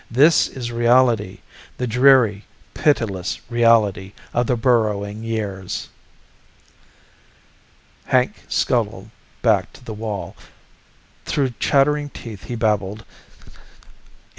This is reality, the dreary, pitiless reality of the Burrowing Years." Hank scuttled back to the wall. Through chattering teeth he babbled